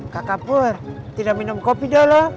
kak kapur tidak minum kopi dah lo